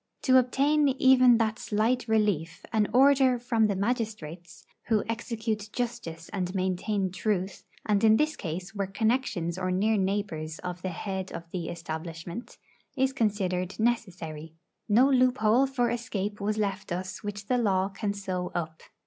To obtain even that slight relief, an order from the magistrates, who execute justice and maintain truth and in this case were connections or near neighbours of the head of the establishment is considered necessary. No loophole for escape was left us which the law can sew up.